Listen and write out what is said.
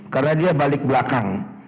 karena dia balik belakang